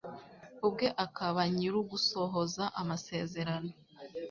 ubwe akaba Nyir ugusohoza amasezerano